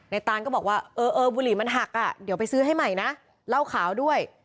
ตานก็บอกว่าเออบุหรี่มันหักอ่ะเดี๋ยวไปซื้อให้ใหม่นะเหล้าขาวด้วย